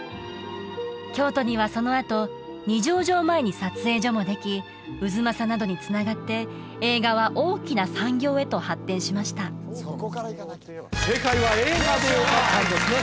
京都にはそのあと二条城前に撮影所もでき太秦などにつながって映画は大きな産業へと発展しました正解は「映画」でよかったんですね